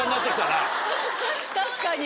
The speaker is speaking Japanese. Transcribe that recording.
確かに。